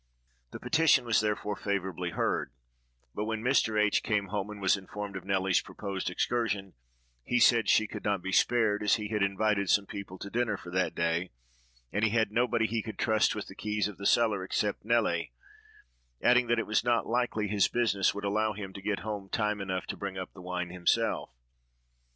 The petition was therefore favorably heard; but when Mr. H—— came home and was informed of Nelly's proposed excursion, he said she could not be spared, as he had invited some people to dinner for that day, and he had nobody he could trust with the keys of the cellar except Nelly, adding that it was not likely his business would allow him to get home time enough to bring up the wine himself.